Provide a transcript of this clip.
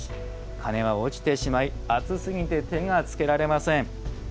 鐘は落ちてしまい熱すぎて手がつけられません。